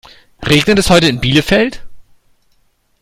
Regnet es heute in Bielefeld?